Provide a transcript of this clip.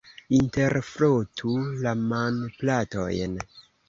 Interfrotu la manplatojn.